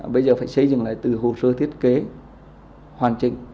bây giờ phải xây dựng lại từ hồ sơ thiết kế hoàn chỉnh